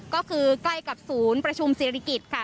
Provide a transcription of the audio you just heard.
ก็คือใกล้กับศูนย์ประชุมศิริกิจค่ะ